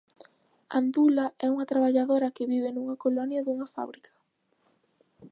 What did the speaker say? Andula é unha traballadora que vive nunha colonia dunha fábrica.